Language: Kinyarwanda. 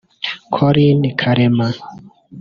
Colin Karema